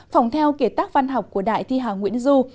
phòng theo kể tác văn học của đại thi hà nguyễn du